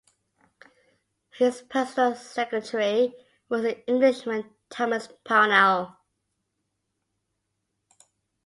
His personal secretary was the Englishman Thomas Pownall.